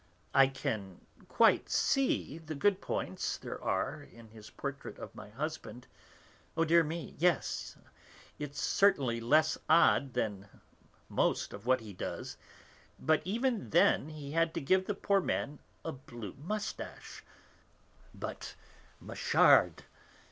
I can quite see the good points there are in his portrait of my husband; oh, dear me, yes; and it's certainly less odd than most of what he does, but even then he had to give the poor man a blue moustache! But Machard!